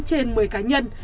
trên một mươi cá nhân